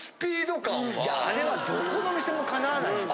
いやあれはどこの店もかなわないでしょ。